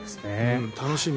楽しみ。